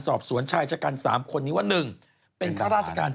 สอบสวนชายชักกันสามคนนี้ว่าหนึ่งเป็นข้าราชการจริง